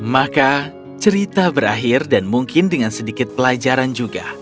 maka cerita berakhir dan mungkin dengan sedikit pelajaran juga